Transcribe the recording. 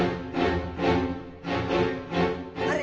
あれ？